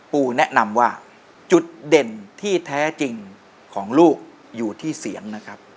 ปูแนะนำว่าจุดเด่นที่แท้จริงของลูกอยู่ที่เสียงนะครับ